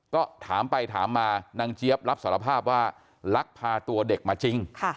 ก็ถามไปถามมานางเจี๊ยบรับสารภาพว่าลักพาตัวเด็กมาจริง